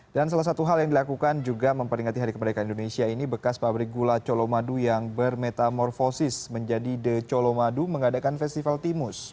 dan salah satu hal yang dilakukan juga memperingati hari kemerdekaan indonesia ini bekas pabrik gula colomadu yang bermetamorfosis menjadi the colomadu mengadakan festival timus